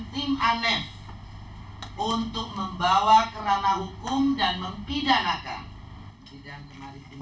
untuk membawa kerana hukum dan mempidanakan